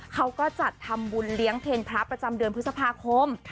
เขาก็จัดทำบุญเลี้ยงเพลงพระประจำเดือนพฤษภาคม